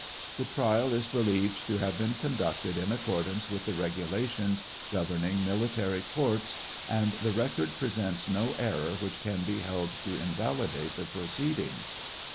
The trial is believed to have been conducted in accordance with the regulations governing military courts, and the record presents no error which can be held to invalidate the pro ceedings.